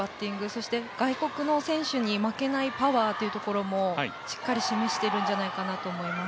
そして、外国の選手に負けないパワーというところもしっかり示しているんじゃないかなと思います。